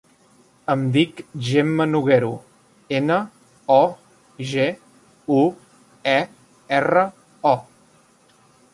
Em dic Gemma Noguero: ena, o, ge, u, e, erra, o.